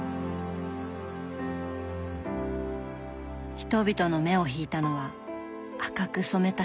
人々の目を引いたのは赤く染めた左手。